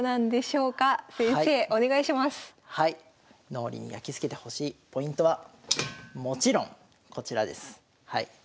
脳裏にやきつけてほしいポイントはもちろんこちらです。